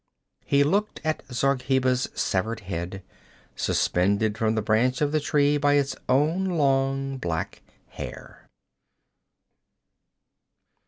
He looked on Zargheba's severed head, suspended from the branch of the tree by its own long black hair.